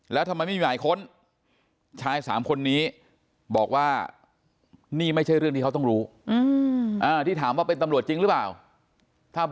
แล้วทำไมไม่มีหมายค้นชาย๓คนนี้บอกว่านี่ไม่ใช่เรื่องที่เขาต้องรู้